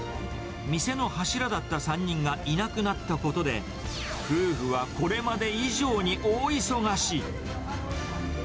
店の柱だった３人がいなくなったことで、夫婦はこれまで以上に大忙し。